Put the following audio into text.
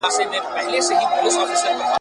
چي پخپله څوک په ستونزه کي اخته وي ..